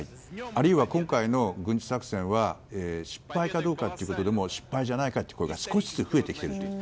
あるいは今回の軍事作戦は失敗かどうかということについても失敗じゃないかという声が少しずつ増えてきているという。